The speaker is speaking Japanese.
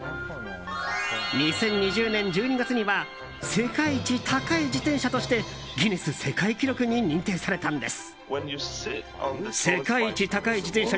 ２０２０年１２月には世界一高い自転車としてギネス世界記録に認定されたんです。